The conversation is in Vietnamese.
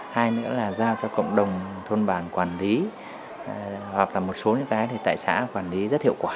hai nữa là giao cho cộng đồng thôn bản quản lý hoặc là một số những cái thì tại xã quản lý rất hiệu quả